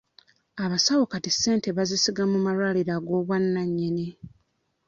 Abasawo kati ssente bazisiga mu malwaliro agw'obwannannyini.